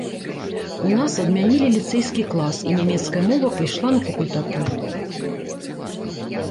У нас адмянілі ліцэйскі клас, і нямецкая мова пайшла на факультатыў.